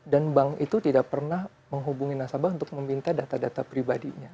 dan bank itu tidak pernah menghubungi nasabah untuk meminta data data pribadinya